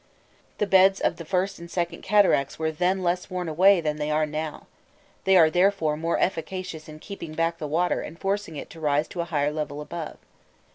The beds of the first and second cataracts were then less worn away than they are now; they are therefore more efficacious in keeping back the water and forcing it to rise to a higher level above.